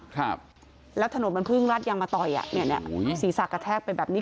ครับแล้วถนนบรรพึ่งรัดยังมาต่อยอ่ะเนี้ยเนี้ยสีสักกระแทกเป็นแบบนี้